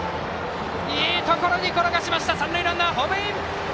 いいところに転がして三塁ランナーホームイン！